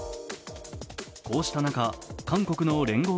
こうした中韓国の聯合